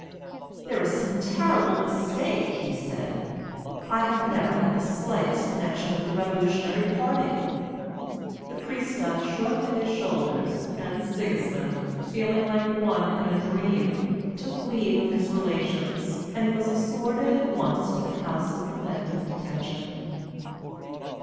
"There is some terrible mistake," he said. "I have never had the slightest connection with the revolutionary party." The pristav shrugged his shoulders, and Sigismund, feeling like one in a dream, took leave of his relations, and was escorted at once to the House of Preventive Detention.